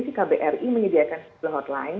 si kbri menyediakan hotline